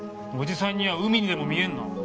おじさんには海にでも見えるの？